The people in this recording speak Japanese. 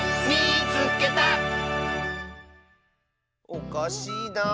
おかしいなあ。